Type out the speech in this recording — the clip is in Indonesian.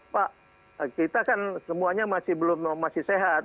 pak kita kan semuanya masih belum masih sehat